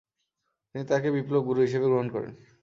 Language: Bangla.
তিনি তাকেই বিপ্লব-গুরু হিসেবে গ্রহণ করেন।